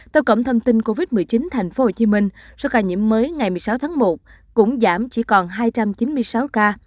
theo cổng thông tin covid một mươi chín tp hcm số ca nhiễm mới ngày một mươi sáu tháng một cũng giảm chỉ còn hai trăm chín mươi sáu ca